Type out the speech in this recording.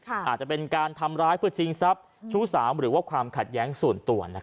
อาจจะเป็นการทำร้ายเพื่อชิงทรัพย์ชู้สาวหรือว่าความขัดแย้งส่วนตัว